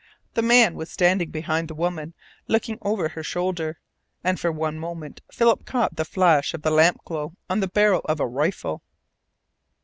The man was standing behind the woman, looking over her shoulder, and for one moment Philip caught the flash of the lamp glow on the barrel of a rifle.